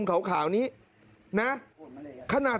เป็นเม็ดใหญ่นะครับ